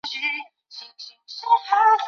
金祝专线是上海市的一条公交路线。